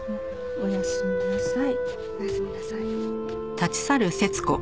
おやすみなさい。